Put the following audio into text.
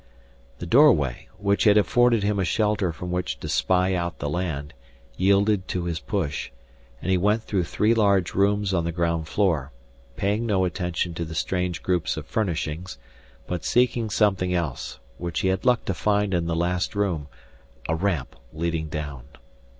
The doorway, which had afforded him a shelter from which to spy out the land, yielded to his push, and he went through three large rooms on the ground floor, paying no attention to the strange groups of furnishings, but seeking something else, which he had luck to find in the last room, a ramp leading down.